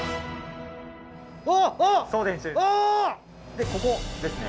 でここですね。